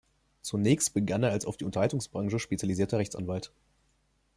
Zunächst begann er als auf die Unterhaltungsbranche spezialisierter Rechtsanwalt.